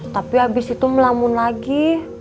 tapi habis itu melamun lagi